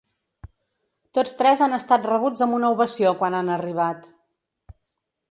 Tots tres han estat rebuts amb una ovació quan han arribat.